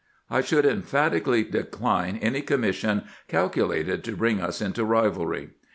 I should emphatically decline any commission calculated to bring us into rivalry.